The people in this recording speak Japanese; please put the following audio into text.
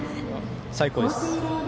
最高です。